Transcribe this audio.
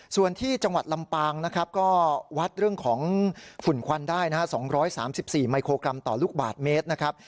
ส่วนที่จังหวัดลำปางนะครับก็วัดเรื่องของฝุ่นควันได้นะฮะ๒๓๔มิโครกรัมต่อลูกบาทเมตรนะครับ